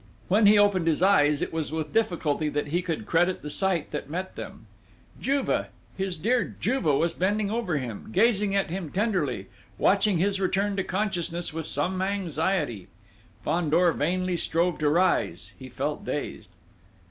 When he opened his eyes, it was with difficulty that he could credit the sight that met them! Juve, his dear Juve, was bending over him, gazing at him tenderly, watching his return to consciousness with some anxiety. Fandor vainly strove to rise: he felt dazed.